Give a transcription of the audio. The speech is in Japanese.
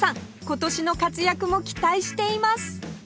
今年の活躍も期待しています！